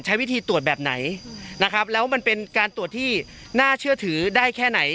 ใช้วิธีตรวจแบบไหนนะครับแล้วมันเป็นการตรวจที่น่าเชื่อถือได้แค่ไหน